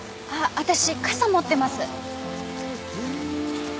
私傘持ってます。